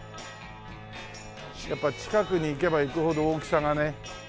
やっぱ近くに行けば行くほど大きさがね。